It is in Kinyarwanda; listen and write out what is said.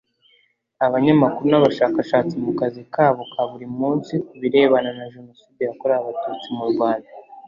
abanyamakuru n’abashakashatsi mu kazi kabo ka buri munsi ku birebana na Jenoside yakorewe Abatutsi mu Rwanda